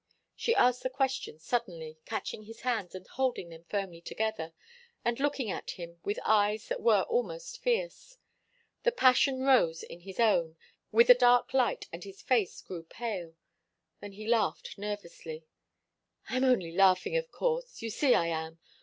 She asked the question suddenly, catching his hands and holding them firmly together, and looking at him with eyes that were almost fierce. The passion rose in his own, with a dark light, and his face grew pale. Then he laughed nervously. "I'm only laughing, of course you see I am.